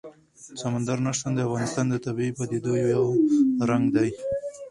سمندر نه شتون د افغانستان د طبیعي پدیدو یو رنګ دی.